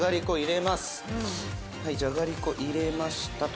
「はいじゃがりこ入れましたと。